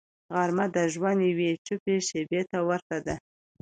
غرمه د ژوند یوې چوپې شیبې ته ورته ده